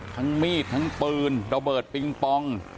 มีดทั้งปืนระเบิดปิงปอง